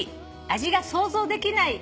味が想像できない」